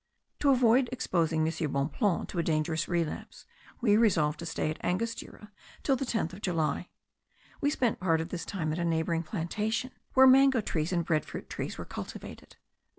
To avoid exposing M. Bonpland to a dangerous relapse, we resolved to stay at Angostura till the 10th of July. We spent part of this time at a neighbouring plantation, where mango trees and bread fruit trees* were cultivated.